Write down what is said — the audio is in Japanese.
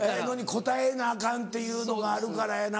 応えなアカンっていうのがあるからやな。